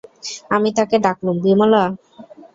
আমি তাকে ডাকলুম, বিমলা!